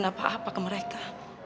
aku gak bisa ngejelasin apa apa ke mereka